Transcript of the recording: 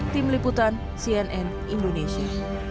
tim liputan cnn indonesia